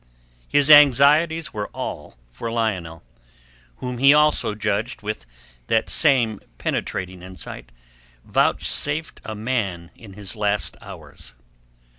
His anxieties were all for Lionel, whom he also judged with that same penetrating insight vouchsafed a man in his last hours.